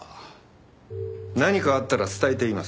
何かあったら伝えています。